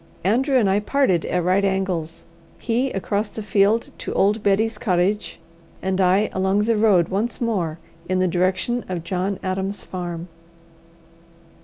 Andrew and I parted at right angles; he across the field to old Betty's cottage, and I along the road once more in the direction of John Adam's farm.